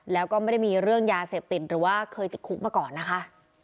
แล้วก็ไม่ได้มีเรื่องยาเสพติดหรือว่าเคยติดคุกมาก่อนนะคะ